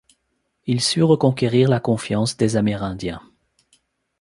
Il sut reconquérir la confiance des Amérindiens.